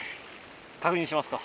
確認しますか？